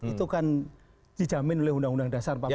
itu kan dijamin oleh undang undang dasar pak prima